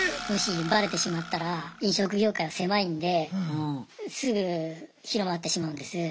もしバレてしまったら飲食業界は狭いんですぐ広まってしまうんです。